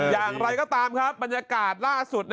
อย่างไรก็ตามครับบรรยากาศล่าสุด